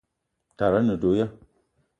Tara a ne do ya?